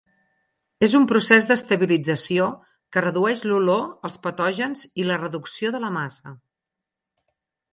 És un procés d'estabilització, que redueix l'olor, els patògens i la reducció de la massa.